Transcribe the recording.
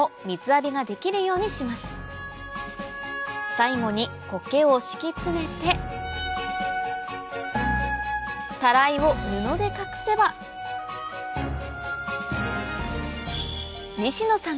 最後にコケを敷き詰めてタライを布で隠せば西野さん